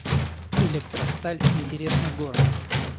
Электросталь — интересный город